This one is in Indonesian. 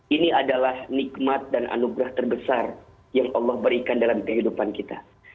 ini adalah nikmat dan anugerah terbesar yang allah berikan dalam kehidupan kita